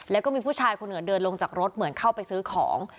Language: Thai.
แล้วก็มีผู้ชายคนอื่นเดินลงจากรถเหมือนเข้าไปซื้อของ